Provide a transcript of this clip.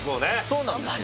そうなんですよ